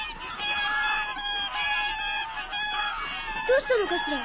どうしたのかしら？